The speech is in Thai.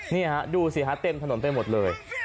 นี่ห้ะดูสิฮะเต็มถนนเต็มหมดเลย